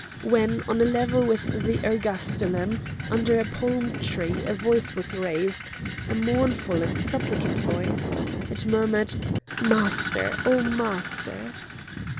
When on a level with the ergastulum, under a palm tree, a voice was raised, a mournful and supplicant voice. It murmured: "Master! oh! master!"